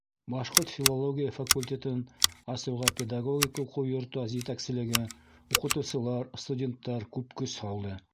— Башҡорт филологияһы факультетын асыуға педагогик уҡыу йорто етәкселеге, уҡытыусылар, студенттар күп көс һалды.